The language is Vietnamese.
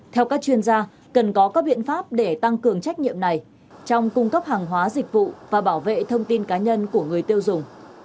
theo các chuyên gia cần có các biện pháp để tăng cường trách nhiệm này trong cung cấp hàng hóa dịch vụ và bảo vệ thông tin cá nhân của người tiêu dùng